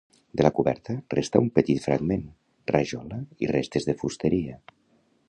De la coberta, resta un petit fragment, rajola i restes de fusteria.